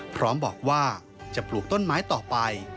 พร้อมบอกว่าจะปลูกต้นไม้ต่อไป